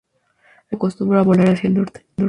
En otoño acostumbra volar hacia el norte.